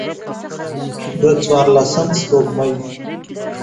د څوارلسم سپوږمۍ